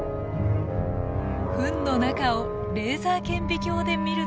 糞の中をレーザー顕微鏡で見ると。